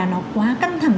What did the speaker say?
nó quá căng thẳng